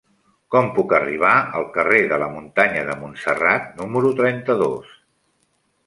Com puc arribar al carrer de la Muntanya de Montserrat número trenta-dos?